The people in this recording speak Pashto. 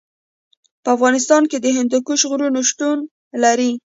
په افغانستان کې د هندوکش غرونه شتون لري.